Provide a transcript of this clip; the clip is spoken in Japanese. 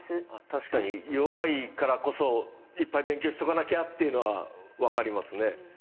確かに弱いからこそいっぱい勉強しとかなきゃっていうのは分かりますね。